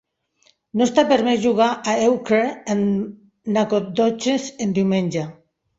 No està permès jugar a Euchre en Nacogdoches en diumenge.